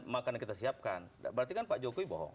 makanan kita siapkan berarti kan pak jokowi bohong